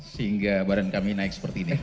sehingga barang kami naik seperti ini